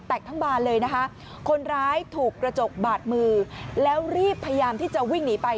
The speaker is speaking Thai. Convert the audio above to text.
ทั้งบานเลยนะคะคนร้ายถูกกระจกบาดมือแล้วรีบพยายามที่จะวิ่งหนีไป